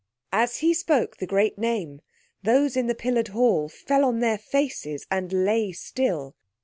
As he spoke the great name those in the pillared hall fell on their faces, and lay still.